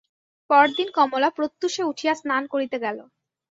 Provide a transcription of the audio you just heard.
পরদিন কমলা প্রত্যুষে উঠিয়া স্নান করিতে গেল।